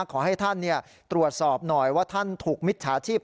ขอให้ท่านตรวจสอบหน่อยว่าท่านถูกมิจฉาชีพ